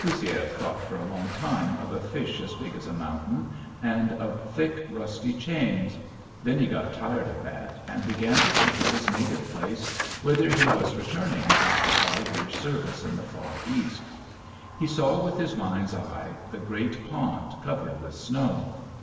Goussiev thought for a long time of a fish as big as a mountain, and of thick rusty chains; then he got tired of that and began to think of his native place whither he was returning after five years' service in the Far East. He saw with his mind's eye the great pond covered with snow....